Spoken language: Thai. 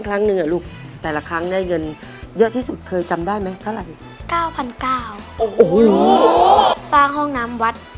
ครั้งหนึ่งอ่ะลูกแต่ละครั้งได้เงินเยอะที่สุดเคยจำได้ไหมเท่าไหร่๙๙๐๐โอ้โหสร้างห้องน้ำวัด